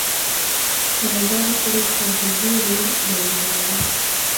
د مزار شریف خربوزې ډیر ډولونه لري.